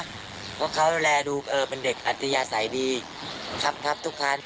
เพราะเขาดูแลดูเป็นเด็กอัธยาศัยดีครับทับทุกครั้ง